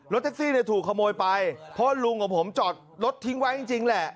แท็กซี่เนี่ยถูกขโมยไปเพราะว่าลุงกับผมจอดรถทิ้งไว้จริงแหละ